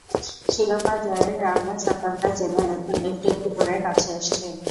শিরোপা জয়ের রাঙা সকালটা যেন এখন একটু একটু করে কাছে আসছে।